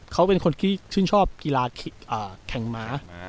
เขาเป็นคนที่ชื่นชอบกีฬาแข่งม้า